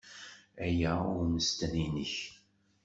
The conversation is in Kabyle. Aya i ummesten-nnek.